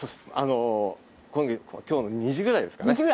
今日の２時ぐらいですかね